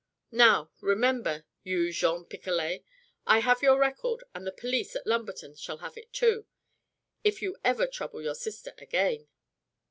Now, remember you Jean Picolet! I have your record and the police at Lumberton shall have it, too, if you ever trouble your sister again."